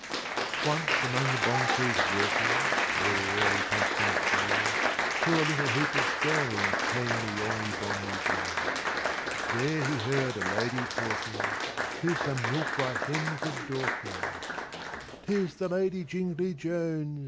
II. Once, among the Bong trees walking Where the early pumpkins grow, To a little heap of stones Came the Yonghy Bonghy Bò. There he heard a Lady talking, To some milk white Hens of Dorking, "'Tis the Lady Jingly Jones!